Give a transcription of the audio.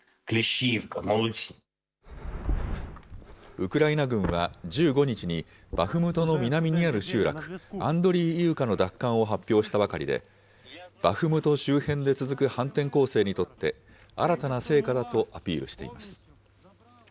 ウクライナ軍は１５日にバフムトの南にある集落、アンドリーイウカの奪還を発表したばかりで、バフムト周辺で続く反転攻勢にとって、新たな成果だとアピールしています。